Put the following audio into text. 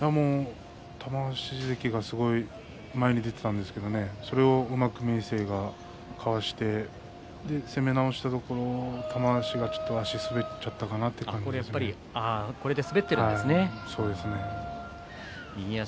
玉鷲関がすごい前に出ていたんですけれどそれを、うまく明生がかわして攻め直したところ玉鷲がちょっと足が滑っちゃったかなという感じで。